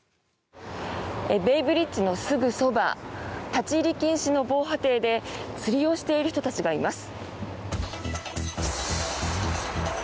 ベイブリッジのすぐそば立ち入り禁止の防波堤で釣りをしている人たちがいます。